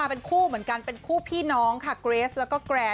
อ่ะบอกก่อนใช่